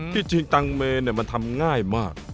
จริงตังเมนมันทำง่ายมาก